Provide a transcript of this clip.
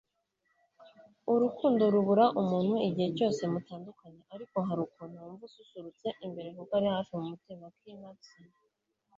urukundo rubura umuntu igihe cyose mutandukanye, ariko hari ukuntu wumva ususurutse imbere kuko uri hafi mumutima - kay knudsen